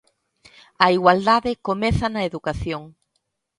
A igualdade comeza na educación.